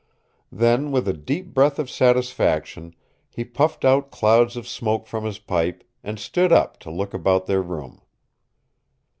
Then, with a deep breath of satisfaction, he puffed out clouds of smoke from his pipe, and stood up to look about their room.